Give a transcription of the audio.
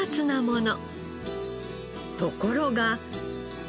ところが。